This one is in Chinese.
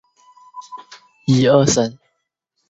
然而它们有能力直接从高处滑行到地面。